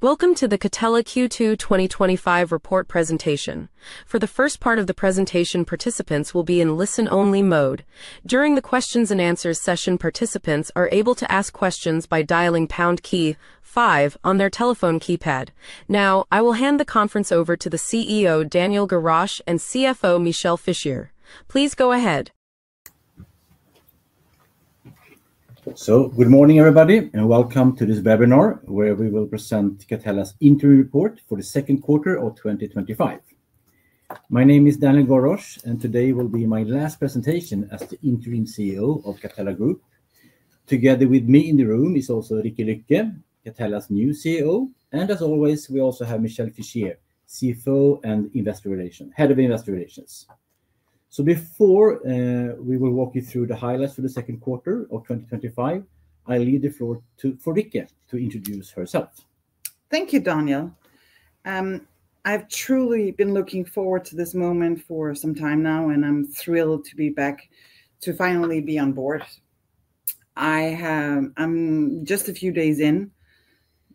Welcome to the Catella Q2 2025 Report presentation. For the first part of the presentation, participants will be in listen-only mode. During the questions and answers session, participants are able to ask questions by dialing the pound key five on their telephone keypad. Now, I will hand the conference over to the CEO, Daniel Gorosch, and CFO, Michel Fischier. Please go ahead. Good morning everybody, and welcome to this webinar where we will present Catella's interim report for the second quarter of 2025. My name is Daniel Gorosch, and today will be my last presentation as the Interim CEO of Catella Group. Together with me in the room is also Rikke Lykke, Catella's new CEO, and as always, we also have Michel Fischier, CFO and Head of Investor Relations. Before we walk you through the highlights for the second quarter of 2025, I'll leave the floor to Rikke to introduce herself. Thank you, Daniel. I've truly been looking forward to this moment for some time now, and I'm thrilled to be back to finally be on board. I'm just a few days in,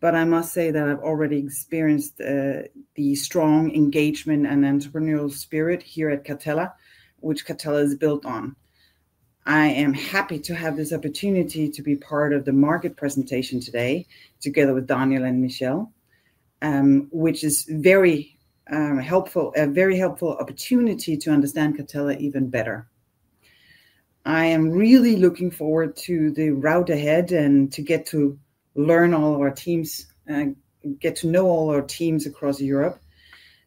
but I must say that I've already experienced the strong engagement and entrepreneurial spirit here at Catella, which Catella is built on. I am happy to have this opportunity to be part of the market presentation today, together with Daniel and Michel, which is a very helpful opportunity to understand Catella even better. I am really looking forward to the route ahead and to get to learn all our teams and get to know all our teams across Europe.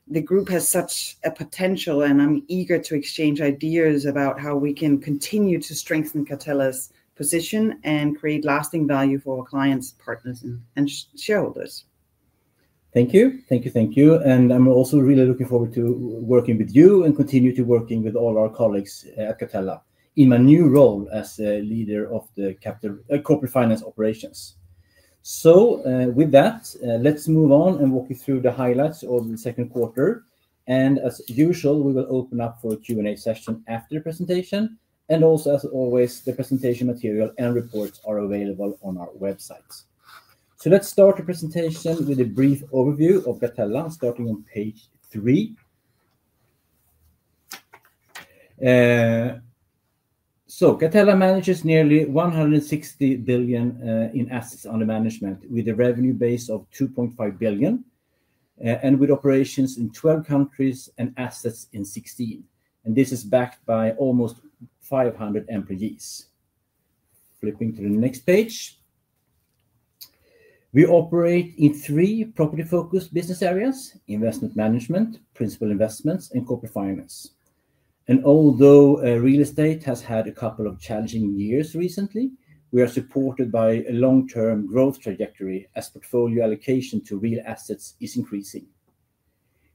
The group has such a potential, and I'm eager to exchange ideas about how we can continue to strengthen Catella's position and create lasting value for our clients, partners, and shareholders. Thank you, thank you, thank you. I'm also really looking forward to working with you and continue to work with all our colleagues at Catella in my new role as the leader of the corporate finance operations. With that, let's move on and walk you through the highlights of the second quarter. As usual, we will open up for a Q&A session after the presentation. Also, as always, the presentation material and reports are available on our website. Let's start the presentation with a brief overview of Catella, starting on page three. Catella manages nearly 160 billion in assets under management, with a revenue base of 2.5 billion, and with operations in 12 countries and assets in 16. This is backed by almost 500 employees. Flipping to the next page, we operate in three property-focused business areas: investment management, principal investments, and corporate finance. Although real estate has had a couple of challenging years recently, we are supported by a long-term growth trajectory as portfolio allocation to real assets is increasing.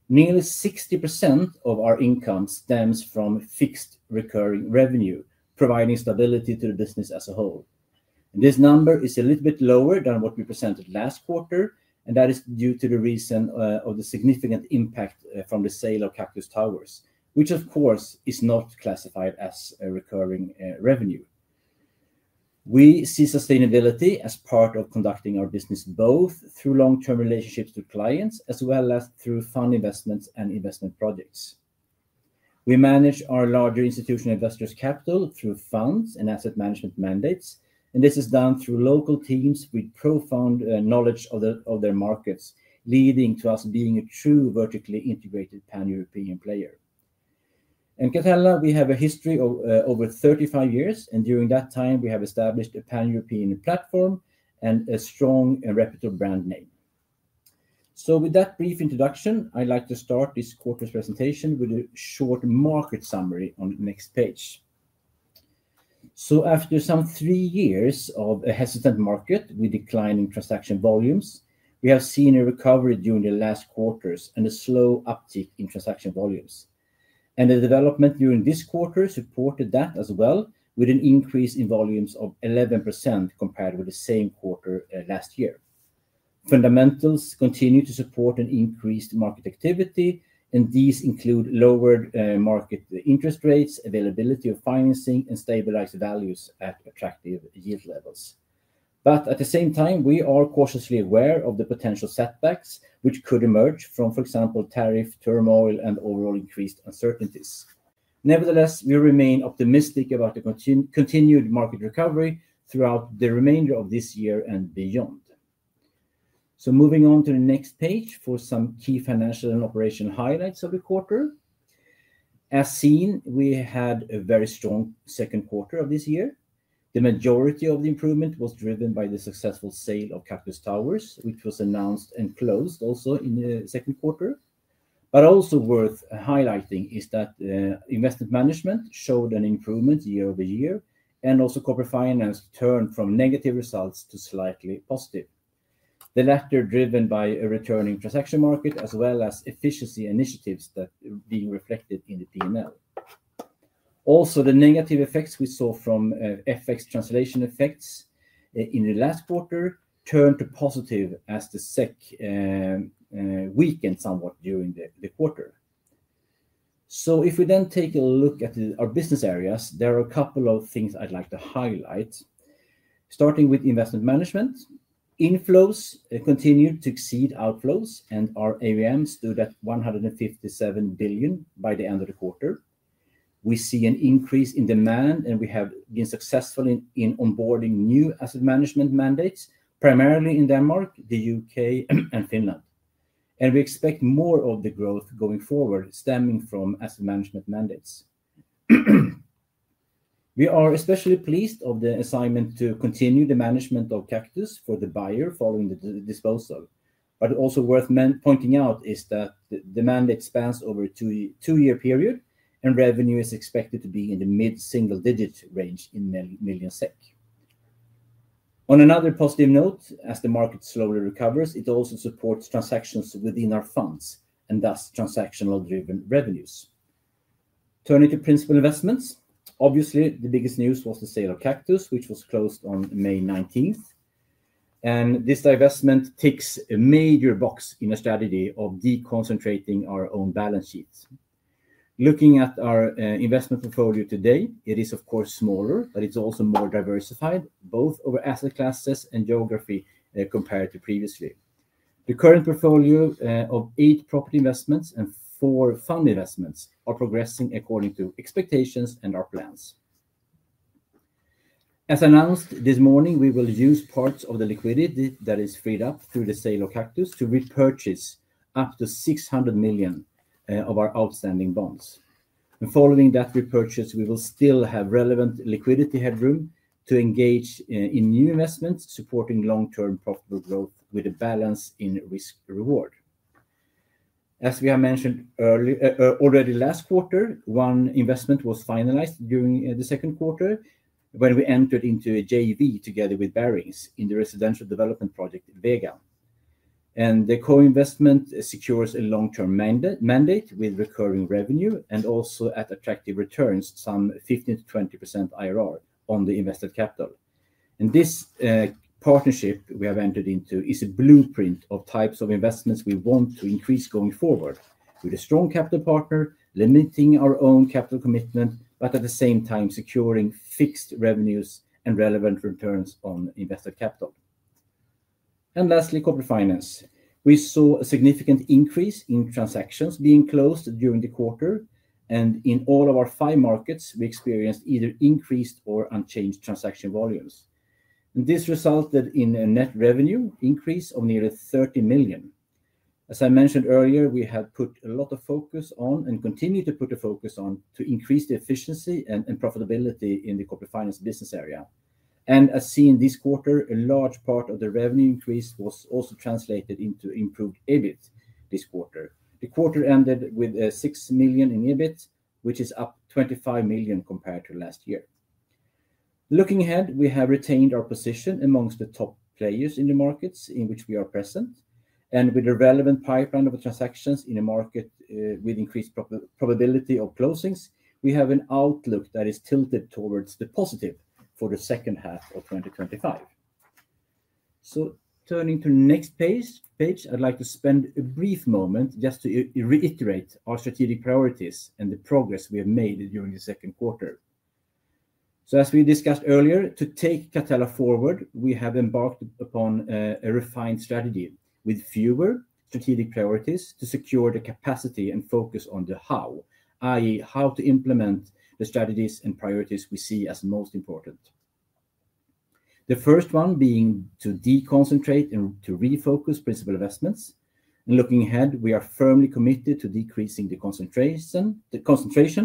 Nearly 60% of our income stems from fixed recurring revenue, providing stability to the business as a whole. This number is a little bit lower than what we presented last quarter, and that is due to the significant impact from the sale of Kaktus Towers, which of course is not classified as recurring revenue. We see sustainability as part of conducting our business, both through long-term relationships with clients, as well as through fund investments and investment projects. We manage our larger institutional investors' capital through funds and asset management mandates, and this is done through local teams with profound knowledge of their markets, leading to us being a true vertically integrated pan-European player. At Catella, we have a history of over 35 years, and during that time, we have established a pan-European platform and a strong reputable brand name. With that brief introduction, I'd like to start this quarter's presentation with a short market summary on the next page. After some three years of a hesitant market with declining transaction volumes, we have seen a recovery during the last quarter and a slow uptick in transaction volumes. The development during this quarter supported that as well, with an increase in volumes of 11% compared with the same quarter last year. Fundamentals continue to support an increased market activity, and these include lowered market interest rates, availability of financing, and stabilized values at attractive yield levels. At the same time, we are cautiously aware of the potential setbacks which could emerge from, for example, tariff turmoil and overall increased uncertainties. Nevertheless, we remain optimistic about the continued market recovery throughout the remainder of this year and beyond. Moving on to the next page for some key financial and operational highlights of the quarter. As seen, we had a very strong second quarter of this year. The majority of the improvement was driven by the successful sale of Kaktus Towers, which was announced and closed also in the second quarter. Also worth highlighting is that investment management showed an improvement year-over-year, and also corporate finance turned from negative results to slightly positive. The latter was driven by a returning transaction market, as well as efficiency initiatives that are being reflected in the P&L. The negative effects we saw from FX translation effects in the last quarter turned to positive as the SEK weakened somewhat during the quarter. If we then take a look at our business areas, there are a couple of things I'd like to highlight. Starting with investment management, inflows continue to exceed outflows, and our assets under management do that 157 billion by the end of the quarter. We see an increase in demand, and we have been successful in onboarding new asset management mandates, primarily in Denmark, the U.K., and Finland. We expect more of the growth going forward, stemming from asset management mandates. We are especially pleased of the assignment to continue the management of Kaktus for the buyer following the disposal. Also worth pointing out is that the mandate spans over a two-year period, and revenue is expected to be in the mid-single- digit range in millions SEK. On another positive note, as the market slowly recovers, it also supports transactions within our funds and thus transactional-driven revenues. Turning to principal investments, obviously the biggest news was the sale of Kaktus, which was closed on May 19th. This divestment ticks a major box in our strategy of deconcentrating our own balance sheet. Looking at our investment portfolio today, it is of course smaller, but it's also more diversified, both over asset classes and geography compared to previously. The current portfolio of eight property investments and four fund investments are progressing according to expectations and our plans. As announced this morning, we will use parts of the liquidity that is freed up through the sale of Kaktus to repurchase up to 600 million of our outstanding bonds. Following that repurchase, we will still have relevant liquidity headroom to engage in new investments, supporting long-term profitable growth with a balance in risk-reward. As we have mentioned already last quarter, one investment was finalized during the second quarter when we entered into a JV together with Barings in the residential development project Vega. The co-investment secures a long-term mandate with recurring revenue and also at attractive returns, some 15%-20% IRR on the invested capital. This partnership we have entered into is a blueprint of types of investments we want to increase going forward, with a strong capital partner, limiting our own capital commitment, but at the same time securing fixed revenues and relevant returns on invested capital. Lastly, corporate finance. We saw a significant increase in transactions being closed during the quarter, and in all of our five markets, we experienced either increased or unchanged transaction volumes. This resulted in a net revenue increase of nearly 30 million. As I mentioned earlier, we have put a lot of focus on and continue to put a focus on to increase the efficiency and profitability in the corporate finance business area. As seen this quarter, a large part of the revenue increase was also translated into improved EBIT this quarter. The quarter ended with 6 million in EBIT, which is up 25 million compared to last year. Looking ahead, we have retained our position amongst the top players in the markets in which we are present. With a relevant pipeline of transactions in a market with increased probability of closings, we have an outlook that is tilted towards the positive for the second half of 2025. Turning to the next page, I'd like to spend a brief moment just to reiterate our strategic priorities and the progress we have made during the second quarter. As we discussed earlier, to take Catella forward, we have embarked upon a refined strategy with fewer strategic priorities to secure the capacity and focus on the how, i.e., how to implement the strategies and priorities we see as most important. The first one being to deconcentrate and to refocus principal investments. Looking ahead, we are firmly committed to decreasing the concentration,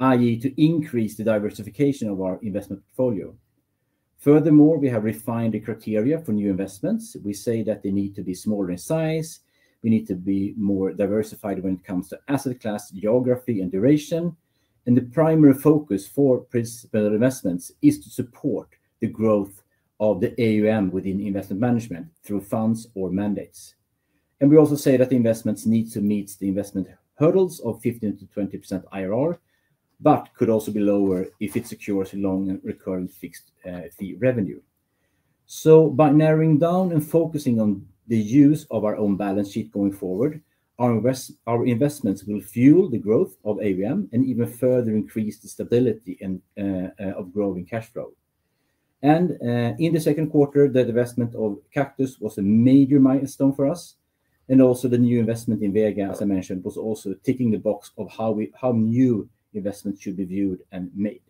i.e., to increase the diversification of our investment portfolio. Furthermore, we have refined the criteria for new investments. We say that they need to be smaller in size. They need to be more diversified when it comes to asset class, geography, and duration. The primary focus for principal investments is to support the growth of the AUM within investment management through funds or mandates. We also say that investments need to meet the investment hurdles of 15%-20% IRR, but could also be lower if it secures a long and recurring fixed fee revenue. By narrowing down and focusing on the use of our own balance sheet going forward, our investments will fuel the growth of AUM and even further increase the stability of growing cash flow. In the second quarter, the divestment of Kaktus was a major milestone for us. The new investment in Vega, as I mentioned, was also ticking the box of how new investments should be viewed and made.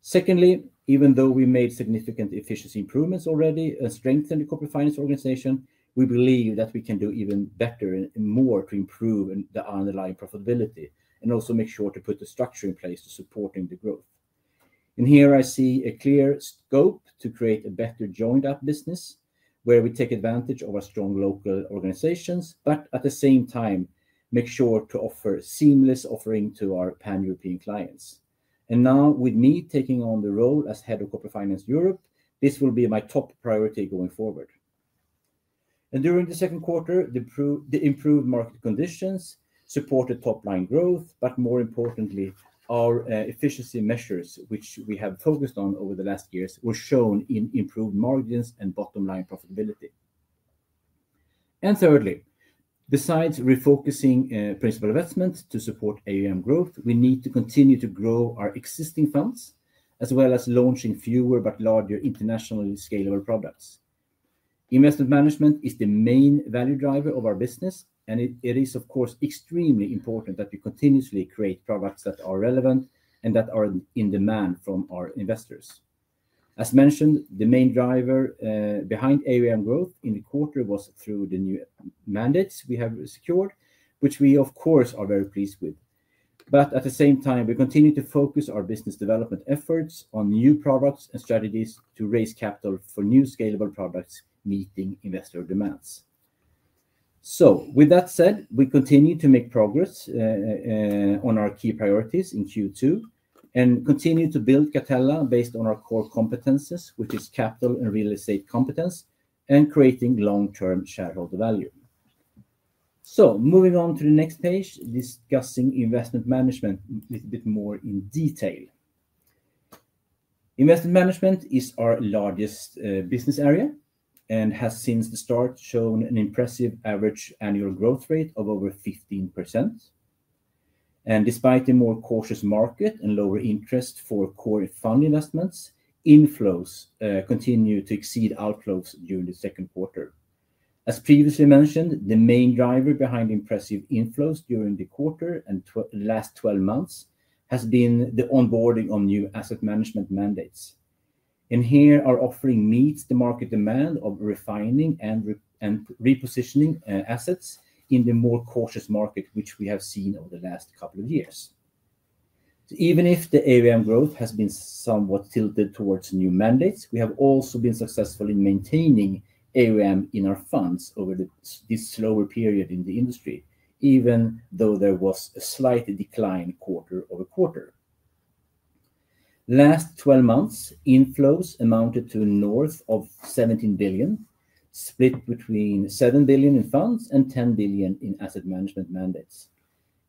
Secondly, even though we made significant efficiency improvements already and strengthened the corporate finance organization, we believe that we can do even better and more to improve the underlying profitability and also make sure to put the structure in place to support the growth. Here I see a clear scope to create a better joined-up business where we take advantage of our strong local organizations, but at the same time make sure to offer a seamless offering to our pan-European clients. Now, with me taking on the role as Head of Corporate Finance Europe, this will be my top priority going forward. During the second quarter, the improved market conditions supported top-line growth, but more importantly, our efficiency measures, which we have focused on over the last years, were shown in improved margins and bottom-line profitability. Thirdly, besides refocusing principal investments to support AUM growth, we need to continue to grow our existing funds, as well as launching fewer but larger internationally scalable products. Investment management is the main value driver of our business, and it is of course extremely important that we continuously create products that are relevant and that are in demand from our investors. As mentioned, the main driver behind AUM growth in the quarter was through the new mandates we have secured, which we of course are very pleased with. At the same time, we continue to focus our business development efforts on new products and strategies to raise capital for new scalable products meeting investor demands. With that said, we continue to make progress on our key priorities in Q2 and continue to build Catella based on our core competences, which is capital and real estate competence, and creating long-term shareholder value. Moving on to the next page, discussing investment management a little bit more in detail. Investment management is our largest business area and has since the start shown an impressive average annual growth rate of over 15%. Despite a more cautious market and lower interest for core fund investments, inflows continue to exceed outflows during the second quarter. As previously mentioned, the main driver behind impressive inflows during the quarter and the last 12 months has been the onboarding of new asset management mandates. Here, our offering meets the market demand of refining and repositioning assets in the more cautious market, which we have seen over the last couple of years. Even if the AUM growth has been somewhat tilted towards new mandates, we have also been successful in maintaining AUM in our funds over this slower period in the industry, even though there was a slight decline quarter-over-quarter. Last 12 months, inflows amounted to north of 17 billion, split between 7 billion in funds and 10 billion in asset management mandates.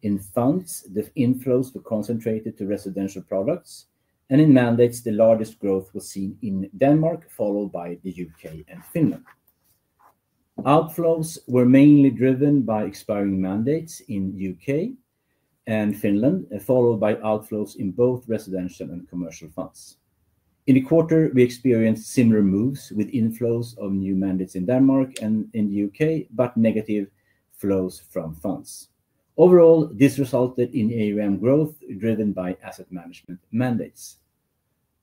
In funds, the inflows were concentrated to residential products, and in mandates, the largest growth was seen in Denmark, followed by the U.K. and Finland. Outflows were mainly driven by expiring mandates in the U.K. and Finland, followed by outflows in both residential and commercial funds. In the quarter, we experienced similar moves with inflows of new mandates in Denmark and in the U.K., but negative flows from funds. Overall, this resulted in AUM growth driven by asset management mandates.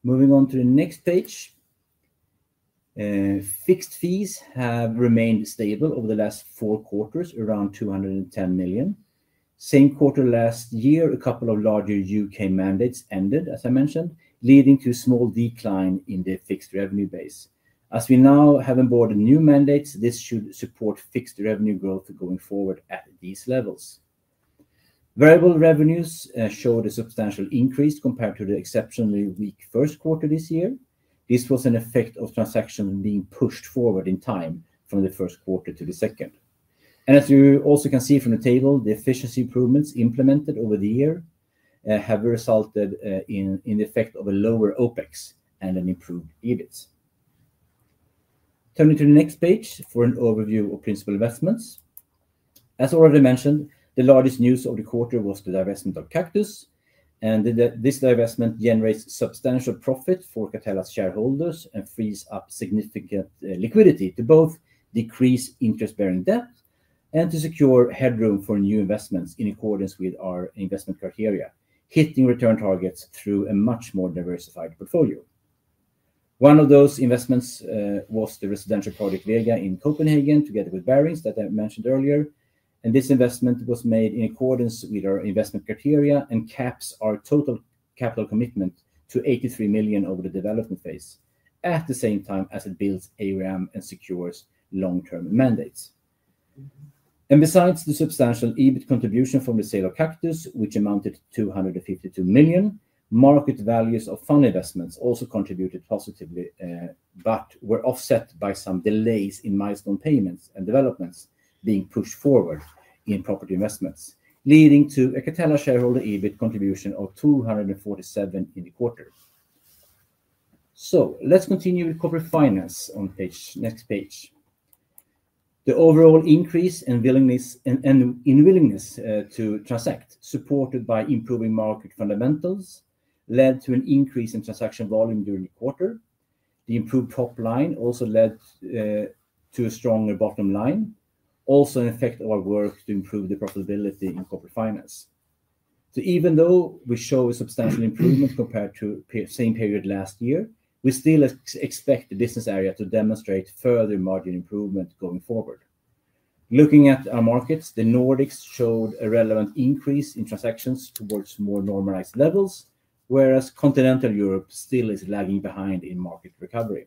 Moving on to the next page, fixed fees have remained stable over the last four quarters, around 210 million. Same quarter last year, a couple of larger U.K. mandates ended, as I mentioned, leading to a small decline in the fixed revenue base. As we now have onboarded new mandates, this should support fixed revenue growth going forward at these levels. Variable revenues showed a substantial increase compared to the exceptionally weak first quarter this year. This was an effect of transactions being pushed forward in time from the first quarter to the second. As you also can see from the table, the efficiency improvements implemented over the year have resulted in the effect of a lower OpEx and an improved EBIT. Turning to the next page for an overview of principal investments. As already mentioned, the largest news of the quarter was the divestment of Kaktus. This divestment generates substantial profit for Catella's shareholders and frees up significant liquidity to both decrease interest-bearing debt and to secure headroom for new investments in accordance with our investment criteria, hitting return targets through a much more diversified portfolio. One of those investments was the residential project Vega in Copenhagen, together with Barings that I mentioned earlier. This investment was made in accordance with our investment criteria and caps our total capital commitment to 83 million over the development phase, at the same time as it builds AUM and secures long-term mandates. Besides the substantial EBIT contribution from the sale of Kaktus, which amounted to 252 million, market values of fund investments also contributed positively, but were offset by some delays in milestone payments and developments being pushed forward in property investments, leading to a Catella shareholder EBIT contribution of 247 million in the quarter. Let's continue with corporate finance on the next page. The overall increase in willingness to transact, supported by improving market fundamentals, led to an increase in transaction volume during the quarter. The improved top line also led to a stronger bottom line, also an effect of our work to improve the profitability in corporate finance. Even though we show a substantial improvement compared to the same period last year, we still expect the business area to demonstrate further margin improvement going forward. Looking at our markets, the Nordics showed a relevant increase in transactions towards more normalized levels, whereas continental Europe still is lagging behind in market recovery.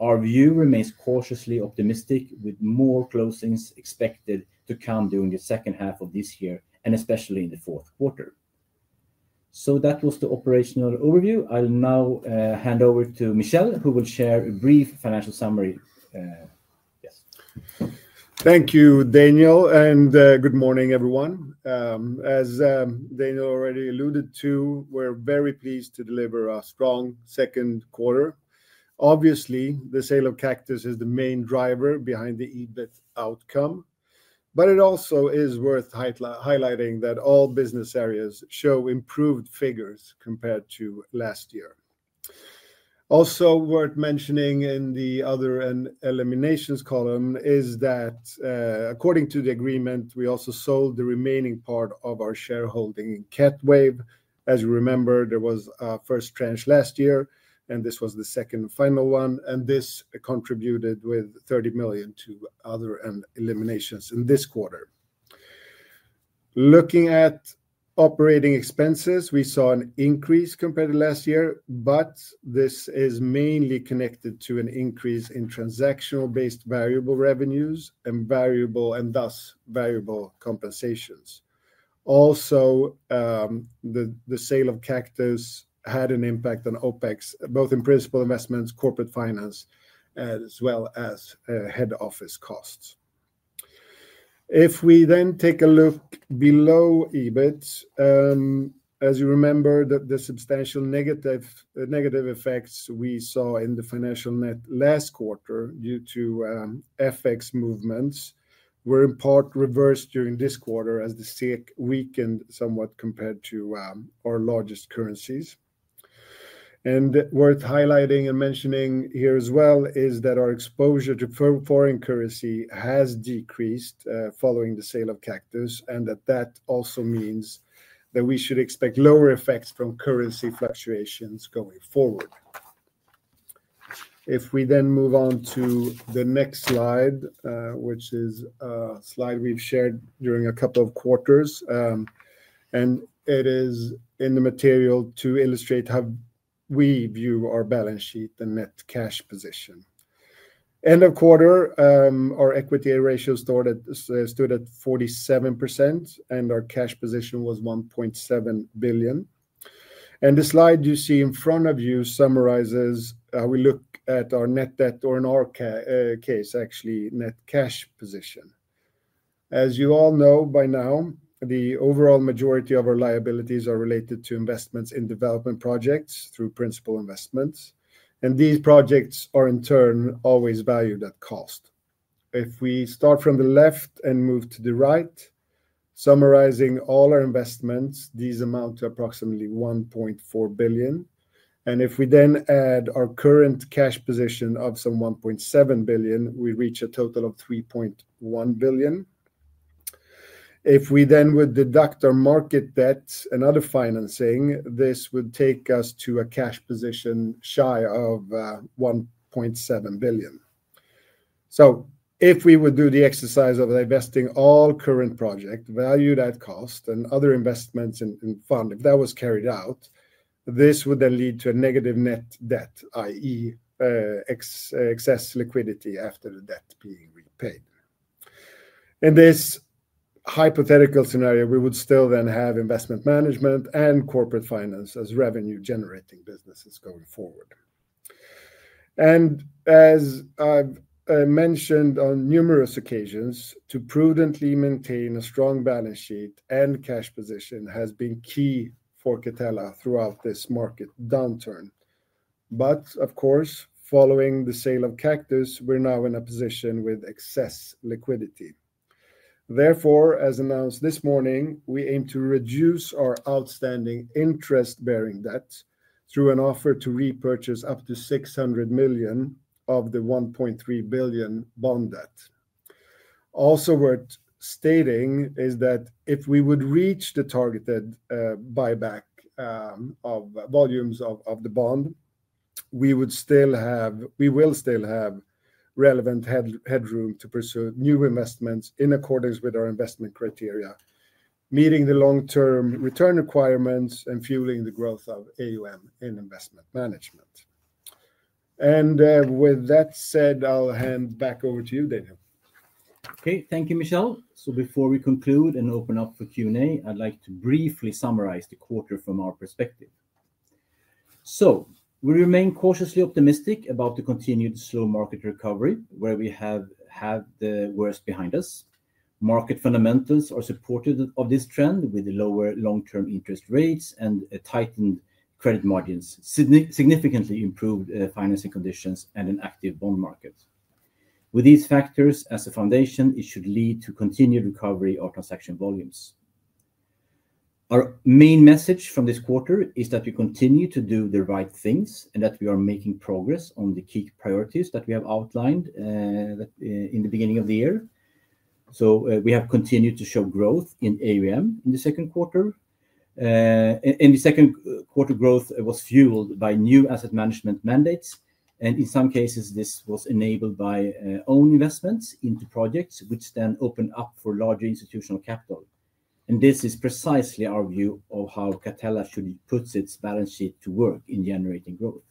Our view remains cautiously optimistic, with more closings expected to come during the second half of this year, and especially in the fourth quarter. That was the operational overview. I'll now hand over to Michel, who will share a brief financial summary. Thank you, Daniel, and good morning, everyone. As Daniel already alluded to, we're very pleased to deliver a strong second quarter. Obviously, the sale of Kaktus is the main driver behind the EBIT outcome, but it also is worth highlighting that all business areas show improved figures compared to last year. Also, worth mentioning in the other eliminations column is that according to the agreement, we also sold the remaining part of our shareholding in CatWave. As you remember, there was a first tranche last year, and this was the second final one, and this contributed with 30 million to other eliminations in this quarter. Looking at operating expenses, we saw an increase compared to last year, but this is mainly connected to an increase in transactional-based variable revenues and thus variable compensations. Also, the sale of Kaktus had an impact on OpEx, both in principal investments, corporate finance, as well as head office costs. If we then take a look below EBIT, as you remember, the substantial negative effects we saw in the financial net last quarter due to FX movements were in part reversed during this quarter as the SEK weakened somewhat compared to our largest currencies. It is worth highlighting and mentioning here as well that our exposure to foreign currency has decreased following the sale of Kaktus, and that also means that we should expect lower effects from currency fluctuations going forward. If we then move on to the next slide, which is a slide we've shared during a couple of quarters, and it is in the material to illustrate how we view our balance sheet, the net cash position. End of quarter, our equity ratio stood at 47%, and our cash position was 1.7 billion. The slide you see in front of you summarizes how we look at our net debt or in our case, actually, net cash position. As you all know by now, the overall majority of our liabilities are related to investments in development projects through principal investments, and these projects are in turn always valued at cost. If we start from the left and move to the right, summarizing all our investments, these amount to approximately 1.4 billion. If we then add our current cash position of some 1.7 billion, we reach a total of 3.1 billion. If we then would deduct our market debts and other financing, this would take us to a cash position shy of 1.7 billion. If we would do the exercise of divesting all current projects, valued at cost, and other investments in funds, if that was carried out, this would then lead to a negative net debt, i.e., excess liquidity after the debt being repaid. In this hypothetical scenario, we would still then have investment management and corporate finance as revenue-generating businesses going forward. As I've mentioned on numerous occasions, to prudently maintain a strong balance sheet and cash position has been key for Catella throughout this market downturn. Following the sale of Kaktus, we're now in a position with excess liquidity. Therefore, as announced this morning, we aim to reduce our outstanding interest-bearing debt through an offer to repurchase up to 600 million of the 1.3 billion bond debt. Also, worth stating is that if we would reach the targeted buyback of volumes of the bond, we will still have relevant headroom to pursue new investments in accordance with our investment criteria, meeting the long-term return requirements and fueling the growth of AUM in investment management. With that said, I'll hand back over to you, Daniel. Okay, thank you, Michel. Before we conclude and open up for Q&A, I'd like to briefly summarize the quarter from our perspective. We remain cautiously optimistic about the continued slow market recovery, where we have had the worst behind us. Market fundamentals are supportive of this trend, with lower long-term interest rates and tightened credit margins, significantly improved financing conditions, and an active bond market. With these factors as a foundation, it should lead to continued recovery of transaction volumes. Our main message from this quarter is that we continue to do the right things and that we are making progress on the key priorities that we have outlined in the beginning of the year. We have continued to show growth in AUM in the second quarter. In the second quarter, growth was fueled by new asset management mandates, and in some cases, this was enabled by own investments into projects, which then opened up for larger institutional capital. This is precisely our view of how Catella should put its balance sheet to work in generating growth.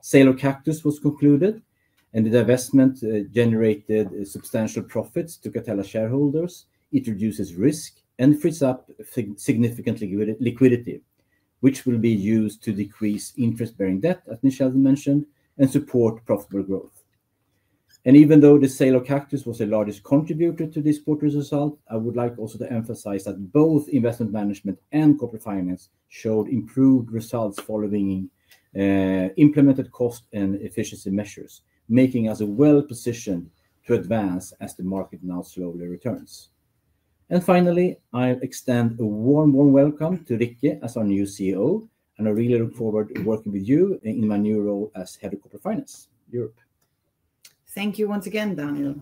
The sale of Kaktus was concluded, and the divestment generated substantial profits to Catella shareholders, introduces risk, and frees up significant liquidity, which will be used to decrease interest-bearing debt, as Michel mentioned, and support profitable growth. Even though the sale of Kaktus was the largest contributor to this quarter's result, I would like also to emphasize that both investment management and corporate finance showed improved results following implemented cost and efficiency measures, making us well positioned to advance as the market now slowly returns. Finally, I'll extend a warm, warm welcome to Rikke as our new CEO, and I really look forward to working with you in my new role as Head of Corporate Finance Europe. Thank you once again, Daniel.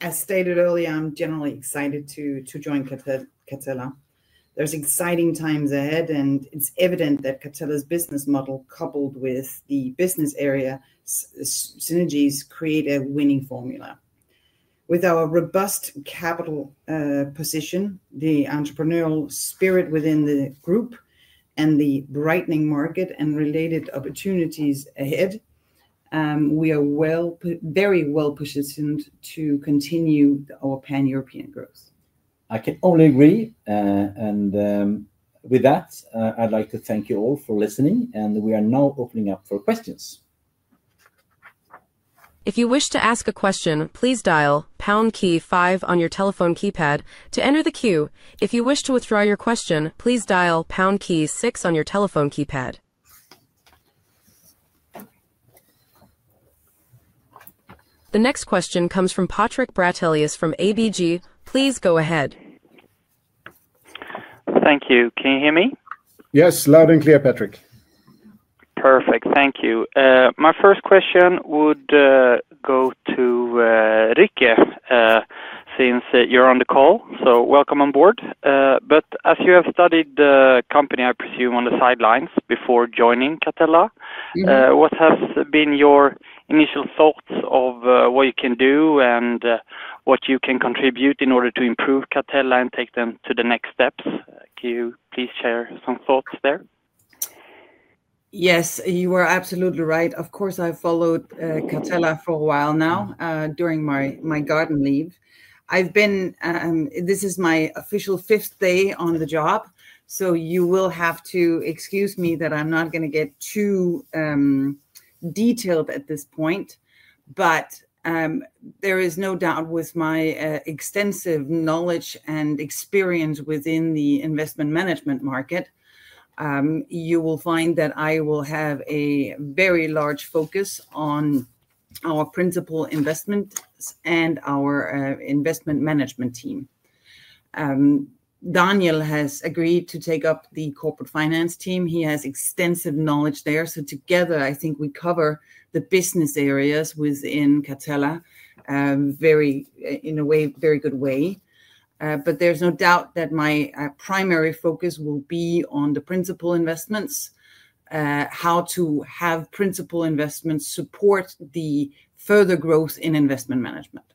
As stated earlier, I'm generally excited to join Catella. There's exciting times ahead, and it's evident that Catella's business model, coupled with the business area synergies, create a winning formula. With our robust capital position, the entrepreneurial spirit within the group, and the brightening market and related opportunities ahead, we are very well positioned to continue our pan-European growth. I can only agree, and with that, I'd like to thank you all for listening. We are now opening up for questions. If you wish to ask a question, please dial pound key five on your telephone keypad to enter the queue. If you wish to withdraw your question, please dial pound key six on your telephone keypad. The next question comes from Patrik Brattelius from ABG. Please go ahead. Thank you. Can you hear me? Yes, loud and clear, Patrik. Perfect, thank you. My first question would go to Rikke since you're on the call. Welcome on board. As you have studied the company, I presume, on the sidelines before joining Catella, what have been your initial thoughts of what you can do and what you can contribute in order to improve Catella and take them to the next steps? Can you please share some thoughts there? Yes, you are absolutely right. Of course, I've followed Catella for a while now during my garden leave. This is my official fifth day on the job, so you will have to excuse me that I'm not going to get too detailed at this point. There is no doubt with my extensive knowledge and experience within the investment management market, you will find that I will have a very large focus on our principal investments and our investment management team. Daniel has agreed to take up the corporate finance team. He has extensive knowledge there. Together, I think we cover the business areas within Catella in a very good way. There is no doubt that my primary focus will be on the principal investments, how to have principal investments support the further growth in investment management.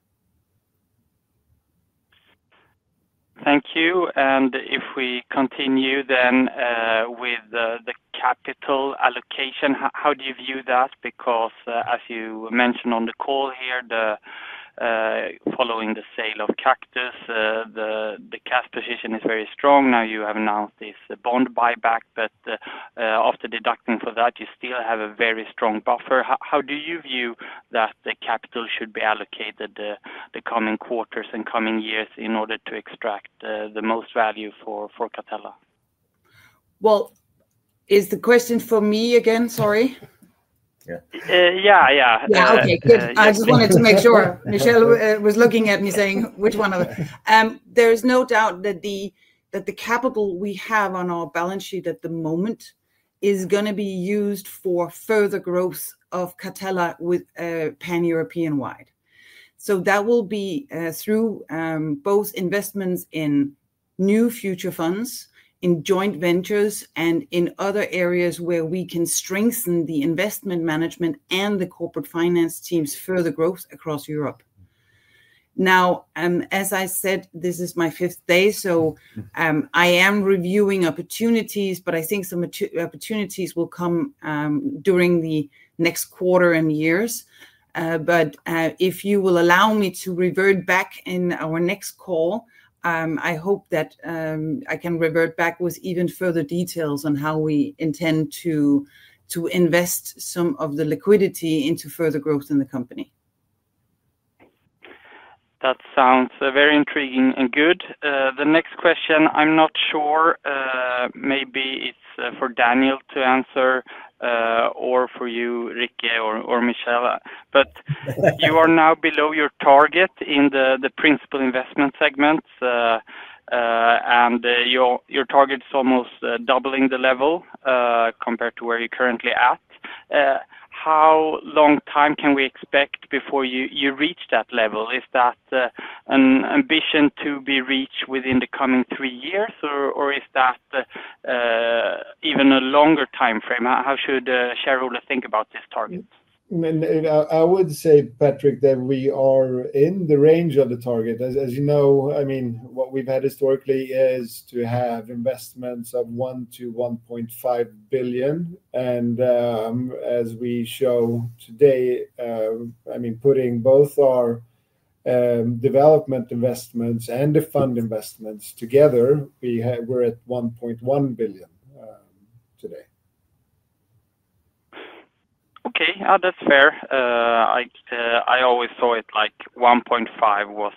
Thank you. If we continue with the capital allocation, how do you view that? As you mentioned on the call here, following the sale of Kaktus, the cash position is very strong. You have announced this bond buyback, but after deducting for that, you still have a very strong buffer. How do you view that the capital should be allocated the coming quarters and coming years in order to extract the most value for Catella? Is the question for me again? Sorry. Yeah, yeah. Okay, good. I just wanted to make sure Michel was looking at me saying which one of them. There's no doubt that the capital we have on our balance sheet at the moment is going to be used for further growth of Catella pan-European-wide. That will be through both investments in new future funds, in joint ventures, and in other areas where we can strengthen the investment management and the corporate finance team's further growth across Europe. As I said, this is my fifth day, so I am reviewing opportunities, but I think some opportunities will come during the next quarter and years. If you will allow me to revert back in our next call, I hope that I can revert back with even further details on how we intend to invest some of the liquidity into further growth in the company. That sounds very intriguing and good. The next question, I'm not sure, maybe it's for Daniel to answer or for you, Rikke or Michel, but you are now below your target in the principal investment segments, and your target is almost doubling the level compared to where you're currently at. How long time can we expect before you reach that level? Is that an ambition to be reached within the coming three years, or is that even a longer timeframe? How should shareholders think about this target? I would say, Patrik, that we are in the range of the target. As you know, what we've had historically is to have investments of 1 billion-1.5 billion. As we show today, putting both our development investments and the fund investments together, we're at 1.1 billion today. Okay, that's fair. I always thought 1.5 billion was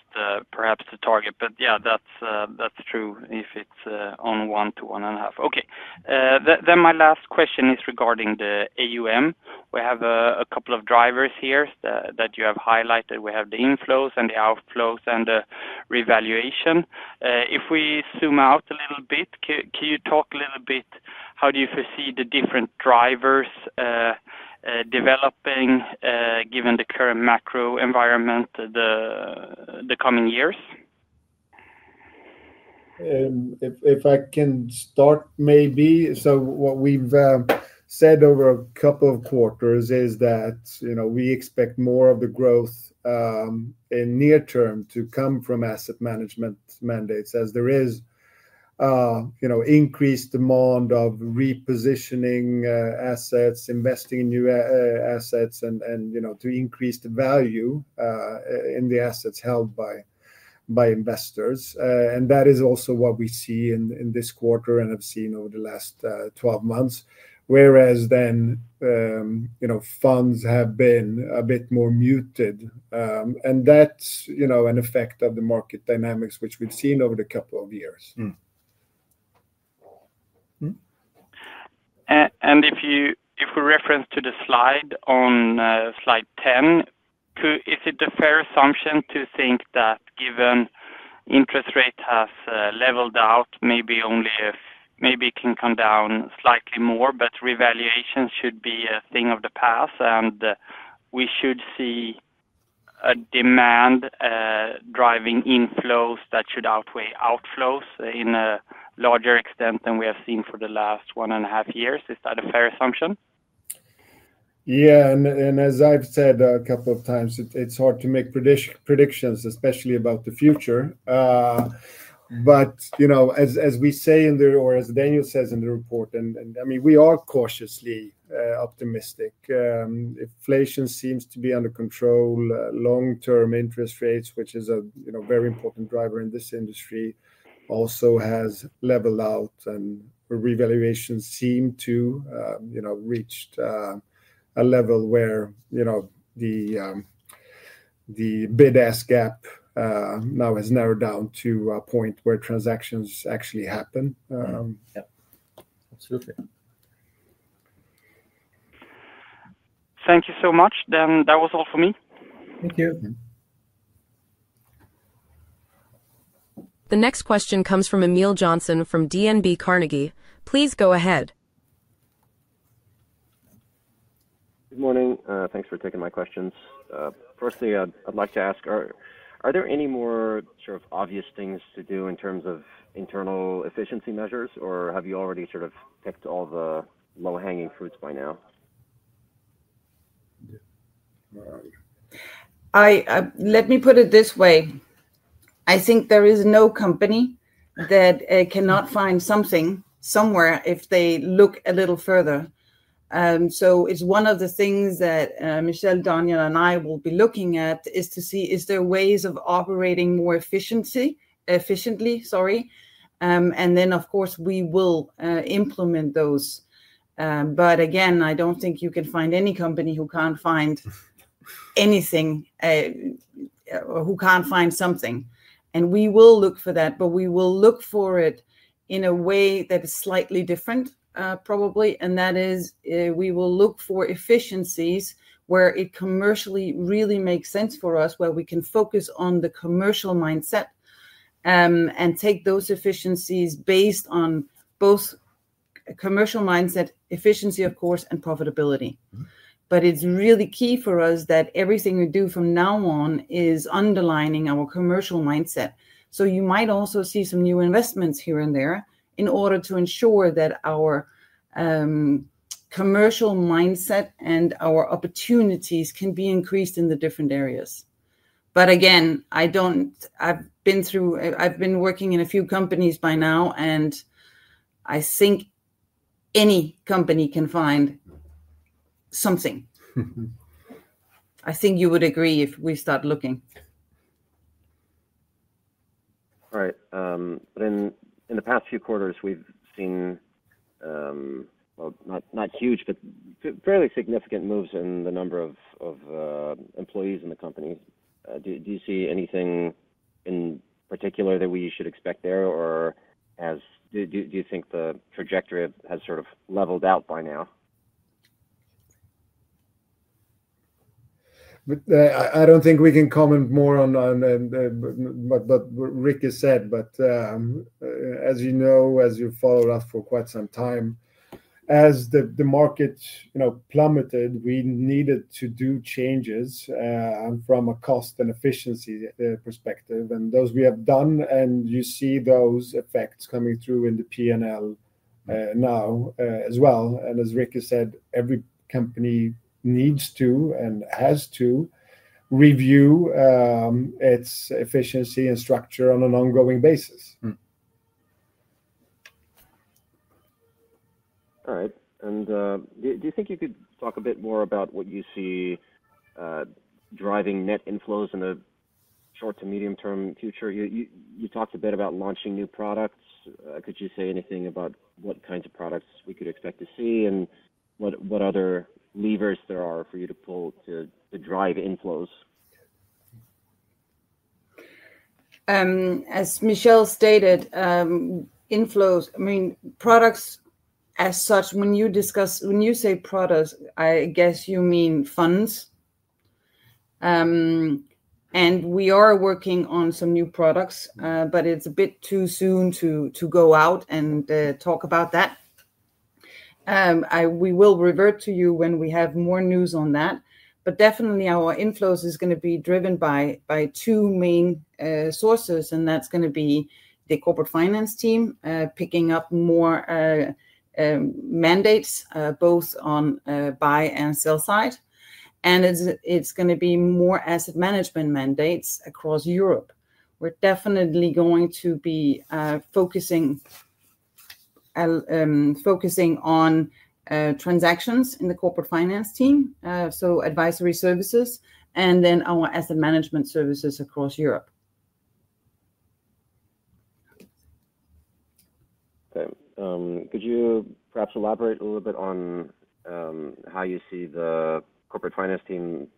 perhaps the target, but yeah, that's true if it's on 1 billion-1.5 billion. Okay, then my last question is regarding the AUM. We have a couple of drivers here that you have highlighted. We have the inflows and the outflows and the revaluation. If we zoom out a little bit, can you talk a little bit? How do you foresee the different drivers developing, given the current macro environment, the coming years? What we've said over a couple of quarters is that we expect more of the growth in the near term to come from asset management mandates, as there is increased demand of repositioning assets, investing in new assets, and to increase the value in the assets held by investors. That is also what we see in this quarter and have seen over the last 12 months, whereas funds have been a bit more muted. That's an effect of the market dynamics, which we've seen over the couple of years. If we reference the slide on slide 10, is it a fair assumption to think that given the interest rate has leveled out, maybe only maybe it can come down slightly more, but revaluation should be a thing of the past, and we should see a demand driving inflows that should outweigh outflows in a larger extent than we have seen for the last one and a half years? Is that a fair assumption? Yeah, as I've said a couple of times, it's hard to make predictions, especially about the future. As we say in the report, or as Daniel says in the report, I mean, we are cautiously optimistic. Inflation seems to be under control. Long-term interest rates, which is a very important driver in this industry, also have leveled out, and revaluations seem to have reached a level where the bid-ask spread now has narrowed down to a point where transactions actually happen. Absolutely. Thank you so much. That was all for me. Thank you. Yeah. The next question comes from Emil Jonsson from DNB Carnegie. Please go ahead. Good morning. Thanks for taking my questions. Firstly, I'd like to ask, are there any more sort of obvious things to do in terms of internal efficiency measures, or have you already picked all the low-hanging fruits by now? Let me put it this way. I think there is no company that cannot find something somewhere if they look a little further. It's one of the things that Michel, Daniel, and I will be looking at, to see, is there ways of operating more efficiently? Of course, we will implement those. I don't think you can find any company who can't find anything or who can't find something. We will look for that, but we will look for it in a way that is slightly different, probably, and that is we will look for efficiencies where it commercially really makes sense for us, where we can focus on the commercial mindset and take those efficiencies based on both a commercial mindset efficiency, of course, and profitability. It's really key for us that everything we do from now on is underlining our commercial mindset. You might also see some new investments here and there in order to ensure that our commercial mindset and our opportunities can be increased in the different areas. I've been working in a few companies by now, and I think any company can find something. I think you would agree if we start looking. All right. In the past few quarters, we've seen, not huge, but fairly significant moves in the number of employees in the company. Do you see anything in particular that we should expect there, or do you think the trajectory has sort of leveled out by now? I don't think we can comment more on what Rikke said, but as you know, as you followed us for quite some time, as the market plummeted, we needed to do changes from a cost and efficiency perspective, and those we have done, and you see those effects coming through in the P&L now as well. As Rikke said, every company needs to and has to review its efficiency and structure on an ongoing basis. All right. Do you think you could talk a bit more about what you see driving net inflows in the short to medium-term future? You talked a bit about launching new products. Could you say anything about what kinds of products we could expect to see and what other levers there are for you to pull to drive inflows? As Michel stated, inflows, I mean, products as such, when you say products, I guess you mean funds. We are working on some new products, but it's a bit too soon to go out and talk about that. We will revert to you when we have more news on that. Definitely, our inflows are going to be driven by two main sources, and that's going to be the corporate finance team picking up more mandates, both on the buy and sell side. It's going to be more asset management mandates across Europe. We are definitely going to be focusing on transactions in the corporate finance team, so advisory services, and then our asset management services across Europe. Could you perhaps elaborate a little bit on how you see the corporate finance team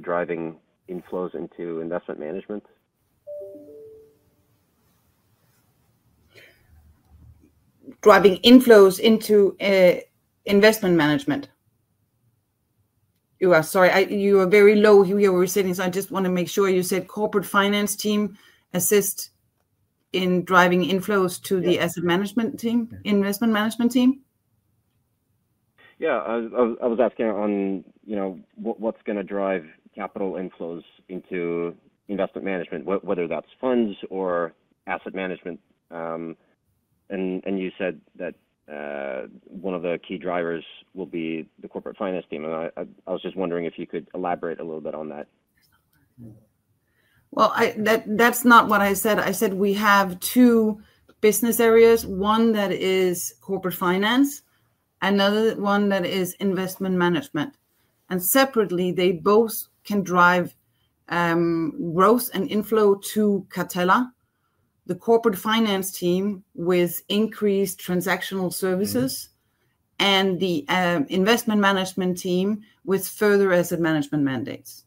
driving inflows into investment management? Driving inflows into investment management. You are very low here, we were sitting, so I just want to make sure you said corporate finance team assist in driving inflows to the asset management team, investment management team. Yeah, I was asking on what's going to drive capital inflows into investment management, whether that's funds or asset management. You said that one of the key drivers will be the corporate finance team. I was just wondering if you could elaborate a little bit on that. I said we have two business areas, one that is corporate finance, and another one that is investment management. Separately, they both can drive growth and inflow to Catella, the corporate finance team with increased transactional services, and the investment management team with further asset management mandates.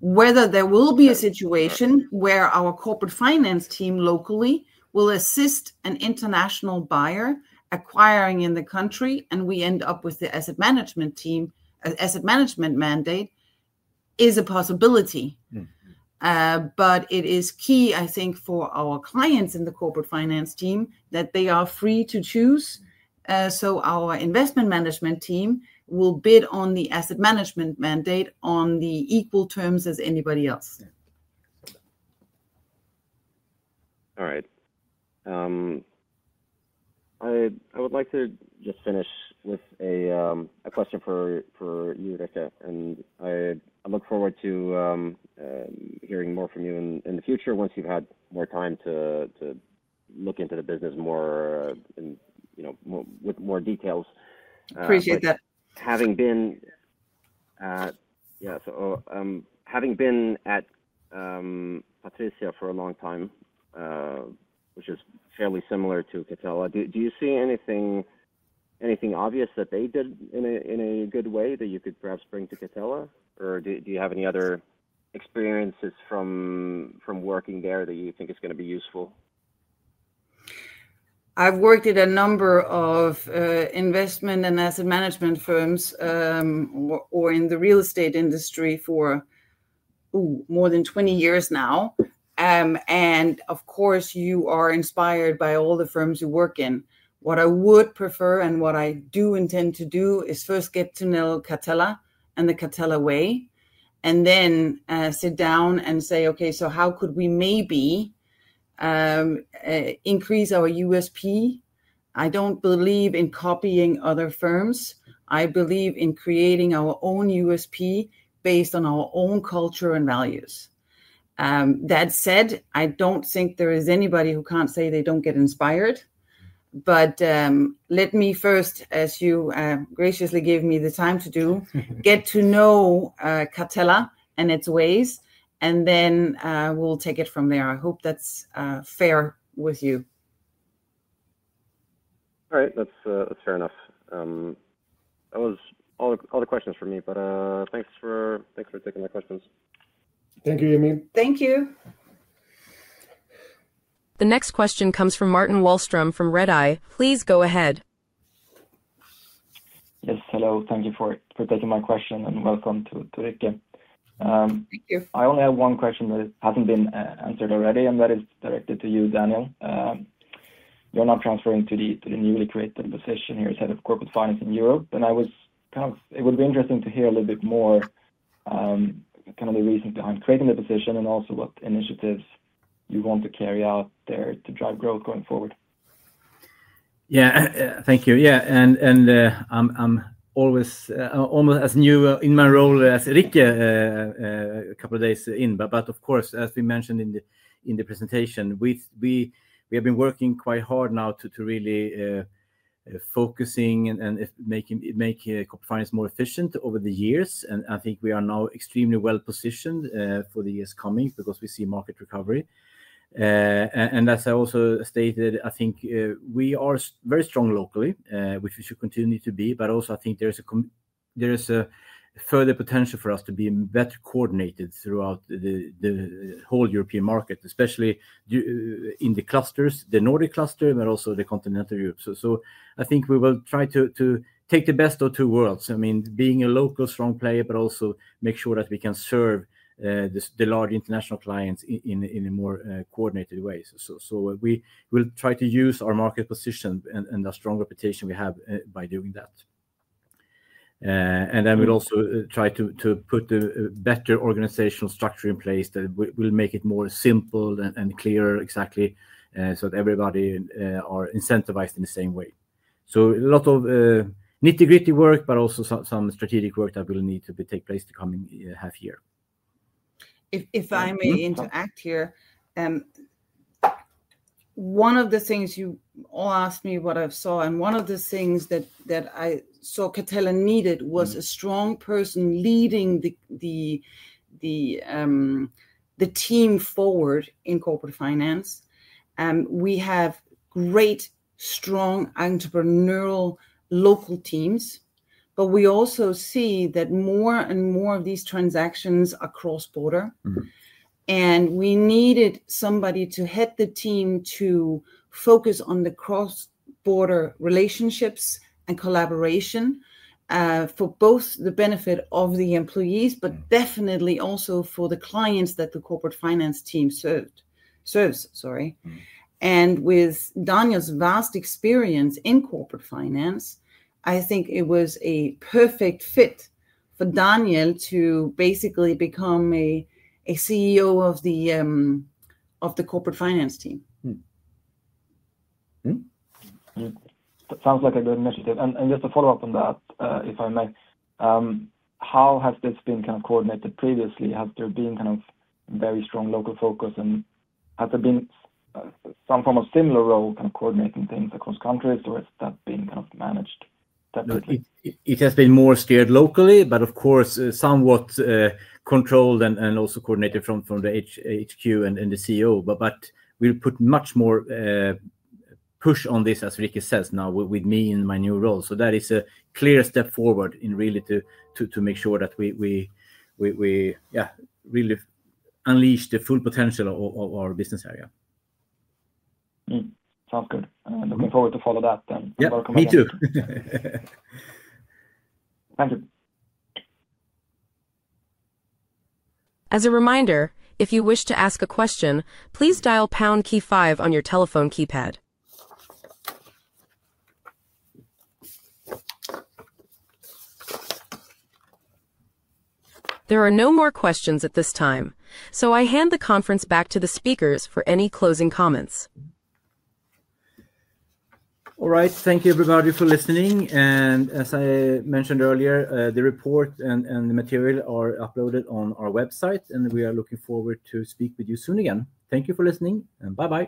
Whether there will be a situation where our corporate finance team locally will assist an international buyer acquiring in the country, and we end up with the asset management team, asset management mandate is a possibility. It is key, I think, for our clients in the corporate finance team that they are free to choose. Our investment management team will bid on the asset management mandate on the equal terms as anybody else. All right. I would like to just finish with a question for you, Rikke, and I look forward to hearing more from you in the future once you've had more time to look into the business more and with more details. Appreciate that. Having been at PATRIZIA for a long time, which is fairly similar to Catella, do you see anything obvious that they did in a good way that you could perhaps bring to Catella? Do you have any other experiences from working there that you think is going to be useful? I've worked in a number of investment and asset management firms or in the real estate industry for more than 20 years now. Of course, you are inspired by all the firms you work in. What I would prefer and what I do intend to do is first get to know Catella and the Catella way, and then sit down and say, "Okay, so how could we maybe increase our USP?" I don't believe in copying other firms. I believe in creating our own USP based on our own culture and values. That said, I don't think there is anybody who can't say they don't get inspired. Let me first, as you graciously gave me the time to do, get to know Catella and its ways, and then we'll take it from there. I hope that's fair with you. All right, that's fair enough. That was all the questions for me, but thanks for taking my questions. Thank you, Emil. Thank you. The next question comes from Martin Wahlström from Redeye. Please go ahead. Yes, hello. Thank you for taking my question and welcome to Rikke. Thank you. I only have one question that hasn't been answered already, and that is directed to you, Daniel. You're now transferring to the newly created position here as Head of Corporate Finance in Europe. I was kind of, it would be interesting to hear a little bit more, kind of the reason behind creating the position and also what initiatives you want to carry out there to drive growth going forward. Thank you. I'm almost as new in my role as Rikke, a couple of days in. As we mentioned in the presentation, we have been working quite hard now to really focus and make corporate finance more efficient over the years. I think we are now extremely well positioned for the years coming because we see market recovery. As I also stated, I think we are very strong locally, which we should continue to be. I think there is a further potential for us to be better coordinated throughout the whole European market, especially in the clusters, the Nordic cluster, but also continental Europe. I think we will try to take the best of two worlds, being a local strong player, but also make sure that we can serve the large international clients in a more coordinated way. We will try to use our market position and the strong reputation we have by doing that. We'll also try to put a better organizational structure in place that will make it more simple and clear exactly so that everybody is incentivized in the same way. A lot of nitty-gritty work, but also some strategic work that will need to take place to come in half a year. If I may interact here, one of the things you all asked me what I saw, and one of the things that I saw Catella needed was a strong person leading the team forward in corporate finance. We have great, strong entrepreneurial local teams, but we also see that more and more of these transactions are cross-border. We needed somebody to head the team to focus on the cross-border relationships and collaboration for both the benefit of the employees, but definitely also for the clients that the corporate finance team serves. With Daniel's vast experience in corporate finance, I think it was a perfect fit for Daniel to basically become a CEO of the Corporate Finance team. That sounds like a good initiative. Just to follow up on that, if I may, how has this been kind of coordinated previously? Has there been very strong local focus? Has there been some form of similar role coordinating things across countries, or has that been managed separately? It has been more steered locally, but of course, somewhat controlled and also coordinated from the HQ and the CEO. We'll put much more push on this, as Rikke says, now with me in my new role. That is a clear step forward in really to make sure that we, yeah, really unleash the full potential of our business area. Sounds good. Looking forward to follow that and welcome back. Me too. Thanks. As a reminder, if you wish to ask a question, please dial pound key five on your telephone keypad. There are no more questions at this time, so I hand the conference back to the speakers for any closing comments. All right, thank you everybody for listening. As I mentioned earlier, the report and the material are uploaded on our website, and we are looking forward to speaking with you soon again. Thank you for listening, and bye-bye.